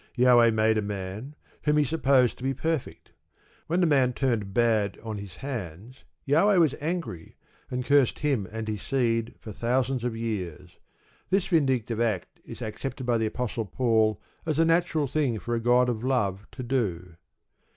Jahweh made a man, whom he supposed to be perfect. When the man turned bad on his hands, Jahweh was angry, and cursed him and his seed for thousands of years. This vindictive act is accepted by the Apostle Paul as a natural thing for a God of Love to do.